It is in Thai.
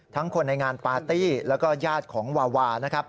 ทั้งคนในงานปาร์ตี้แล้วก็ญาติของวาวา